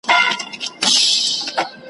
کله به ریشتیا سي، وايي بله ورځ ,